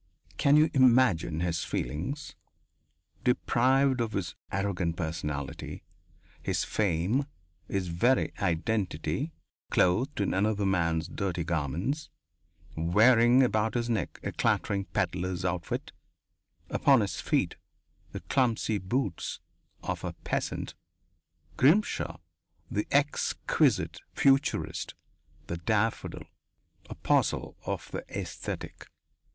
Can you imagine his feelings deprived of his arrogant personality, his fame, his very identity, clothed in another man's dirty garments, wearing about his neck a clattering pedlar's outfit, upon his feet the clumsy boots of a peasant? Grimshaw the exquisite futurist, the daffodil, apostle of the aesthetic!